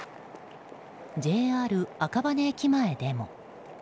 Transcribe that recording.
ＪＲ赤羽駅前でも。